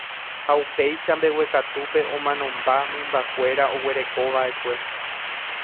ha upéicha mbeguekatúpe omanomba mymbakuéra oguerekova'ekue.